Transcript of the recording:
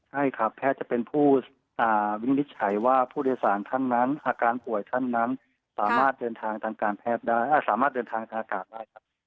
ใช่ครับแพทย์จะเป็นผู้วินิจฉัยว่าผู้โดยสารท่านนั้นอาการป่วยท่านนั้นสามารถเดินทางทางการแพทย์ได้สามารถเดินทางทางอากาศได้ครับ